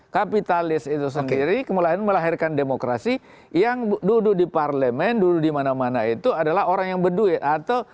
kapitalis itu sendiri kemulaan melahirkan demokrasi yang duduk di parlemen dulu dimana mana itu adalah orang yang berdua